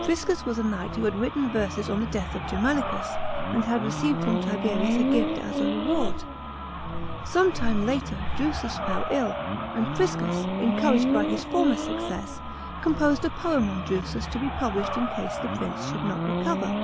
Priscus was a knight who had written verses on the death of Germatiicus, aud had received from Tiberius a gift as a reward. Some time later Drusus fell ill, and Priscus, encouraged by his former success, 14 87 A.D. MAIESTAS. DELATION 195 composed a poem on Drusus, to be published In case the prince should not recover.